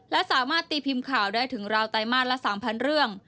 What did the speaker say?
และสามารถตีพิมพ์ข่าวได้ถึงราวไตรมาสละ๓๐๐เรื่อง